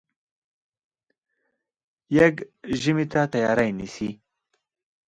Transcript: يږ ژمي ته تیاری نیسي.